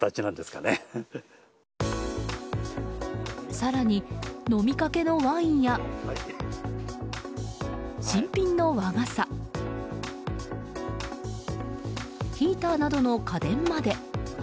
更に、飲みかけのワインや新品の和傘ヒーターなどの家電まで。